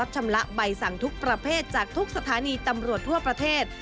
ชำระใบสั่งทุกประเภทจากทุกสถานีตำรวจทั่วประเทศ